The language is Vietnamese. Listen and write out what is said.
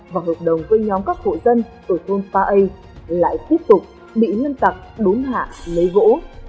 và hợp đồng với nhóm các hội dân ở thôn ba a lại tiếp tục bị nâng tặc đốn hạ lấy gỗ